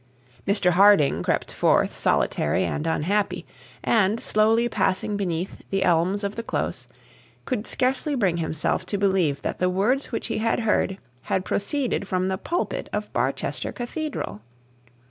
Mr Harding crept forth solitary and unhappy; and, slowly passing beneath the elms of the close, could scarcely bring himself to believe that the words which he had heard had proceeded from the pulpit of the Barchester Cathedral.